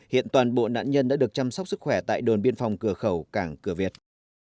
hiện toàn bộ nạn nhân đã được chăm sóc sức khỏe tại đồn biên phòng cửa khẩu cảng cửa việt